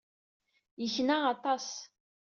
Yekna aṭṭas!